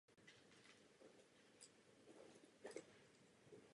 U plavebních komor stojí dům plavební správy.